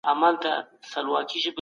ادم ع ته د علم شرف ورکړل سو.